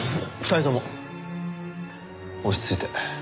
２人とも落ち着いて。